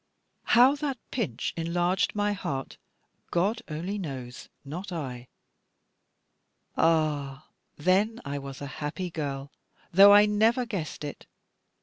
How that pinch enlarged my heart, God only knows, not I. Ah, then I was a happy girl, though I never guessed it.